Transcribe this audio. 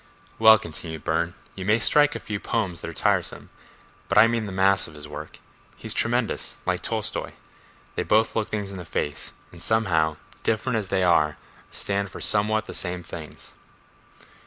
"Well," continued Burne, "you may strike a few poems that are tiresome, but I mean the mass of his work. He's tremendous—like Tolstoi. They both look things in the face, and, somehow, different as they are, stand for somewhat the same things."